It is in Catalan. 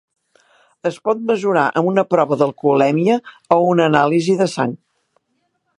Es pot mesurar amb una prova d'alcoholèmia o una anàlisi de sang.